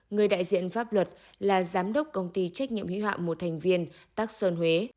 người đại diện pháp luật là giám đốc công ty trách nhiệm hữu hạm một thành viên tác sơn huế